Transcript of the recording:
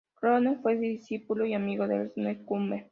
Kronecker fue discípulo y amigo de Ernst Kummer.